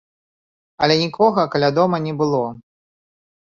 Але нікога каля дома не было.